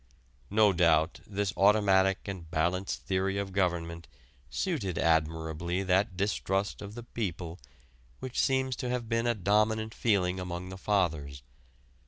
No doubt this automatic and balanced theory of government suited admirably that distrust of the people which seems to have been a dominant feeling among the Fathers.